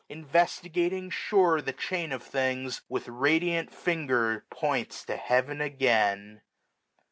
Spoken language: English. Investigating sure the chain of things. With radiant finger points to Heaven again.